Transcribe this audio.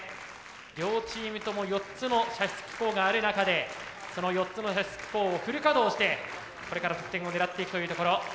両チームとも４つの射出機構がある中でその４つの射出機構をフル稼働してこれから得点を狙っていくというところ。